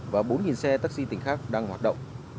và bốn xe taxi tỉnh khác đang hoạt động